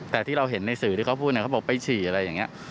แต่ที่เราเห็นในสื่อที่เขาพูดเขาบอกไปฉี่อะไรอย่างนี้